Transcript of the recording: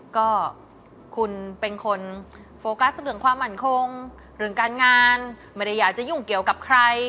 ก็คุณเป็นคนโฟกัสเรื่องความมั่นคงเรื่องการงานไม่ได้อยากจะยุ่งเกี่ยวกับใคร